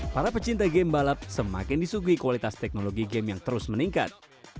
para pecinta game balap semakin disugui kualitas teknologi game yang terus meningkat